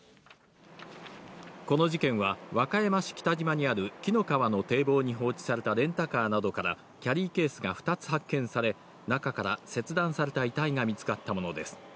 この事件は、和歌山市北島にある紀の川の堤防に放置されたレンタカーなどから、キャリーケースが２つ発見され、中から切断された遺体が見つかったものです。